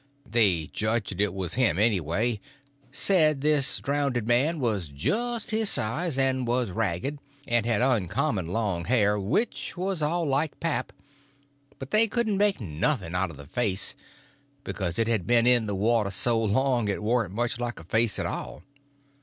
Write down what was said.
They judged it was him, anyway; said this drownded man was just his size, and was ragged, and had uncommon long hair, which was all like pap; but they couldn't make nothing out of the face, because it had been in the water so long it warn't much like a face at all.